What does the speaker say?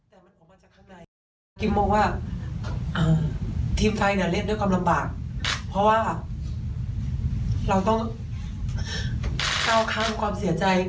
ทีมไทยเนี่ยเล่นด้วยลำบากเพราะว่าเราต้องเก้าข้างความเสียใจ